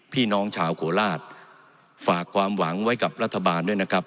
พี่น้องชาวโคราชฝากความหวังไว้กับรัฐบาลด้วยนะครับ